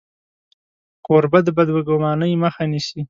کوربه د بدګمانۍ مخه نیسي.